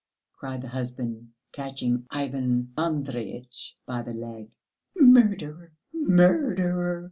cried the husband, catching Ivan Andreyitch by the leg. "Murderer, murderer!"